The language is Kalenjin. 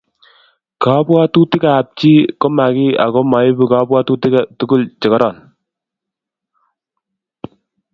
Kabwatutikabchi ko makiy ago moibu kabwatutikab tuguk chekororon